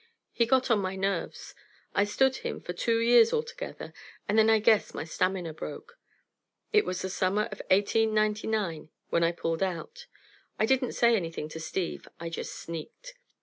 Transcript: He got on my nerves. I stood him for two years altogether, and then I guess my stamina broke. It was the summer of 1899 when I pulled out. I didn't say anything to Steve. I just sneaked.